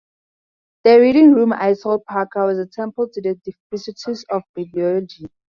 The Reading Room, I told Parker, was a temple to the deification of Bibliology.